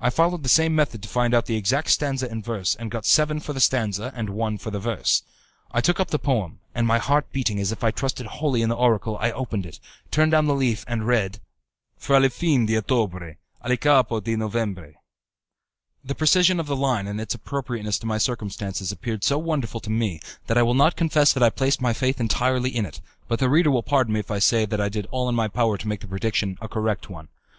I followed the same method to find out the exact stanza and verse, and got seven for the stanza and one for the verse. I took up the poem, and my heart beating as if I trusted wholly in the oracle, I opened it, turned down the leaf, and read; Fra il fin d'ottobre, a il capo di novembre. The precision of the line and its appropriateness to my circumstances appeared so wonderful to me, that I will not confess that I placed my faith entirely in it; but the reader will pardon me if I say that I did all in my power to make the prediction a correct one.